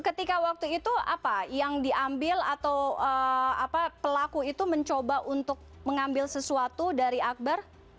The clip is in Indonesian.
ketika waktu itu apa yang diambil atau pelaku itu mencoba untuk mengambil sesuatu dari akbar